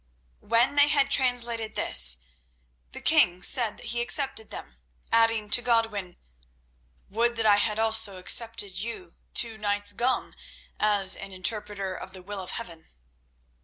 When they had translated this, the king said that he accepted them, adding to Godwin: "Would that I had also accepted you two nights gone as an interpreter of the will of Heaven!"